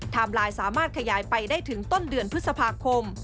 ไลน์สามารถขยายไปได้ถึงต้นเดือนพฤษภาคม